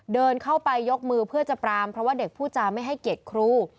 เดินเข้าไปยกมือเพื่อจะปรามเพราะว่าเด็กพูดจาไม่ให้เกียรติครู